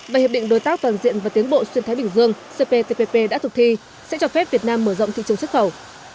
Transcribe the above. và hiệp định đối tác toàn diện và tiến bộ xuyên thái bình dương cptpp đã thực thi sẽ cho phép việt nam mở rộng thị trường xuất khẩu